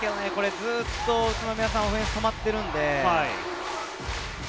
ずっと宇都宮のオフェンスは止まっているので。